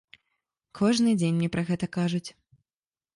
Кожны дзень мне пра гэта кажуць.